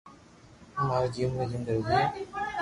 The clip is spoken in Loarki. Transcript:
اووي ماري جيم را جيم درزي ھي